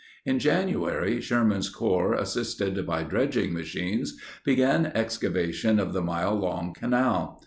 In January, Sherman's Corps, assisted by dredging machines, began excavation of the mile long canal.